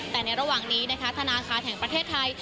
แต่ในระหว่างนี้นะคะธนาคารแห่งประเทศไทย